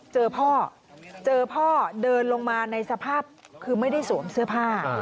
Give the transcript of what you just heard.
เจอพ่อเจอพ่อเดินลงมาในสภาพคือไม่ได้สวมเสื้อผ้า